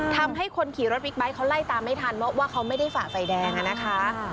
ทำให้คนขี่รถบิ๊กไบท์เขาไล่ตามไม่ทันเพราะว่าเขาไม่ได้ฝ่าไฟแดงอะนะคะ